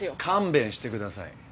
勘弁してください。